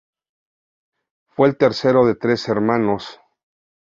Fue el tercero de tres hermanos.